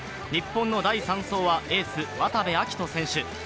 日本の第３走はエース・渡部暁斗選手。